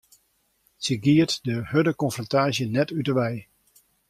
Sy giet de hurde konfrontaasje net út 'e wei.